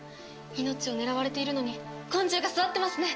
命を狙われているのに根性が据わってますね！